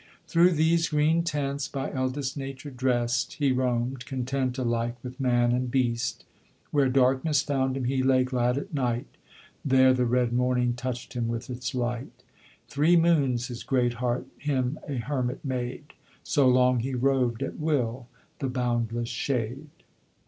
Through these green tents, by eldest Nature dressed, He roamed, content alike with man and beast, Where darkness found him he lay glad at night; There the red morning touched him with its light. Three moons his great heart him a hermit made, So long he roved at will the boundless shade."